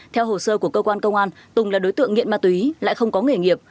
theo hồ sơ của cơ quan công an tùng là đối tượng nghiện ma túy lại không có nghề nghiệp